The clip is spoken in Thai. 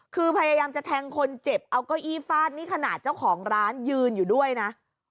คือพยายามจะแทงคนเจ็บเอาเก้าอี้ฟาดนี่ขนาดเจ้าของร้านยืนอยู่ด้วยนะ